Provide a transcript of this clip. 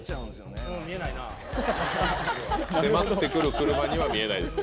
迫って来る車には見えないです。